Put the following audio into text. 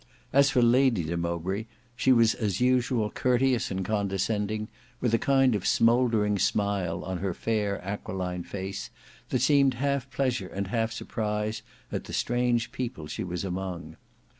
As for Lady de Mowbray, she was as usual courteous and condescending, with a kind of smouldering smile on her fair aquiline face, that seemed half pleasure and half surprise at the strange people she was among.